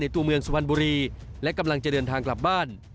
ตัวเมืองสุพรรณบุรีและกำลังจะเดินทางกลับบ้าน